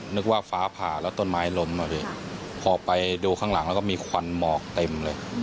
นึกว่าฟ้าผ่าแล้วต้นไม้ล้มอ่ะพี่พอไปดูข้างหลังแล้วก็มีควันหมอกเต็มเลย